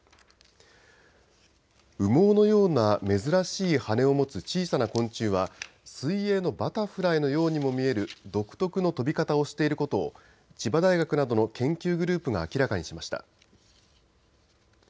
羽毛のような珍しい羽を持つ小さな昆虫は水泳のバタフライのようにも見える独特の飛び方をしていることを千葉大学などの研究グループが明らかにしました。